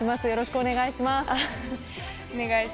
よろしくお願いします。